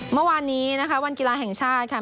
เมื่อวานนี้นะคะวันกีฬาแห่งชาติค่ะ